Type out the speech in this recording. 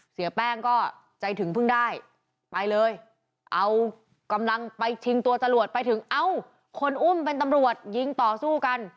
เสียแป้งก็ใจถึงเพิ่งได้ไปเลยเอากำลังไปชิงตัวจรวดไปถึงเอ้าคนอุ้มเป็นตำรวจยิงต่อสู้กัน